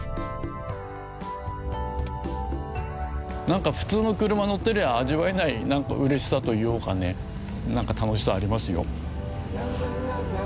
なんか普通の車乗ってれば味わえないうれしさというかね楽しさありますよ。